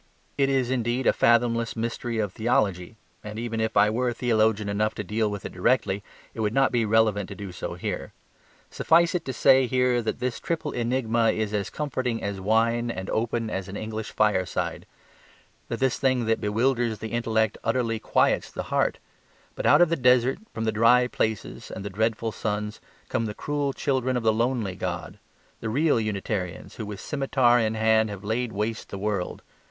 It is indeed a fathomless mystery of theology, and even if I were theologian enough to deal with it directly, it would not be relevant to do so here. Suffice it to say here that this triple enigma is as comforting as wine and open as an English fireside; that this thing that bewilders the intellect utterly quiets the heart: but out of the desert, from the dry places and the dreadful suns, come the cruel children of the lonely God; the real Unitarians who with scimitar in hand have laid waste the world.